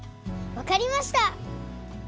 わかりました！